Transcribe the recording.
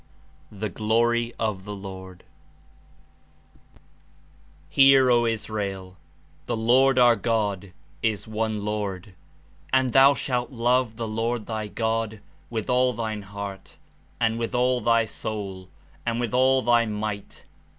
[vi] The Glory of the Lord ''Hear, O Israel: The Lord our God is one Lord: Jnd thou shalt love the Lord thy God with all thine heart, and "ucith all thy soul, and with all thy might.